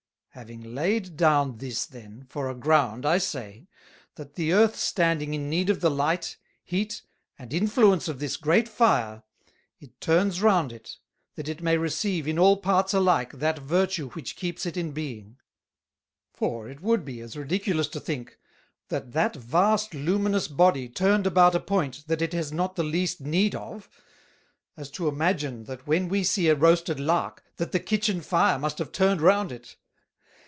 Having laid down this, then, for a ground, I say, That the Earth standing in need of the Light, Heat, and Influence of this great Fire, it turns round it, that it may receive in all parts alike that Virtue which keeps it in Being. For it would be as ridiculous to think, that that vast luminous Body turned about a point that it has not the least need of; as to imagine, that when we see a roasted Lark, that the Kitchin fire must have turned round it.